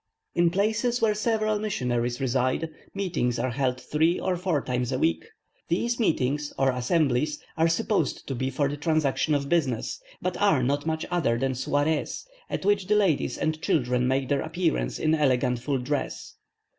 In places where several missionaries reside meetings are held three or four times a week. These meetings or assemblies are supposed to be for the transaction of business; but are not much other than soirees, at which the ladies and children make their appearance in elegant full dress.